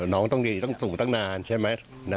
น้องต้องดีต้องสูงตั้งนานใช่ไหม